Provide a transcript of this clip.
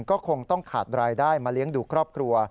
ก็คงต้องขาดรายได้มาเลี้ยงดูครอบครัว